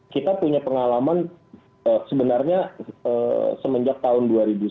kita punya pengalaman sebenarnya semenjak tahun dua ribu sembilan belas